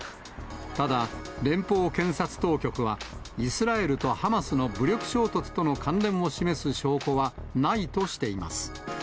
ただ、連邦検察当局は、イスラエルとハマスの武力衝突との関連を示す証拠はないとしています。